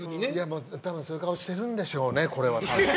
多分そういう顔してるんでしょうね。